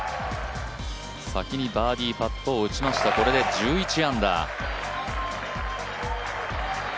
先にバーディーパットを打ちました、これで１１アンダー。